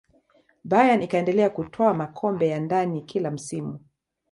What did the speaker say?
bayern ikaendelea kutwaa makombe ya ndani kila msimu